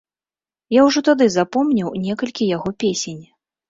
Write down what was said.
Я ўжо тады запомніў некалькі яго песень.